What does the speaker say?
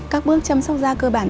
các bước chăm sóc da cơ bản